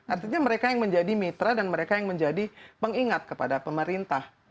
artinya mereka yang menjadi mitra dan mereka yang menjadi pengingat kepada pemerintah